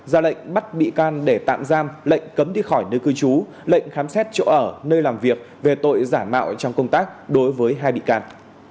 ra lệnh bắt bị can để tạm giam lệnh cấm đi khỏi nơi cư trú lệnh khám xét chỗ ở nơi làm việc về tội giả mạo trong công tác đối với hai bị can